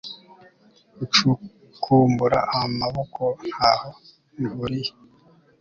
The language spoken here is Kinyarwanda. Gucukumbura amaboko ntaho bihuriye